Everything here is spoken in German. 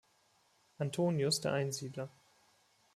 Antonius der Einsiedler.